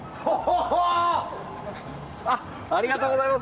ありがとうございます。